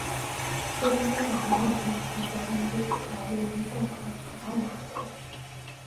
过去香港和澳门的海上交通就只靠位于上环的港澳码头。